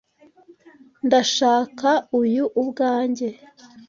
Ndashaka uyu ubwanjye.